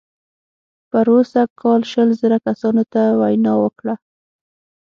پروسږ کال شل زره کسانو ته وینا وکړه.